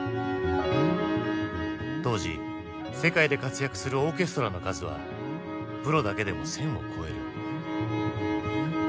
当時世界で活躍するオーケストラの数はプロだけでも１，０００を超える。